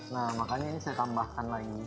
nah makanya ini saya tambahkan lagi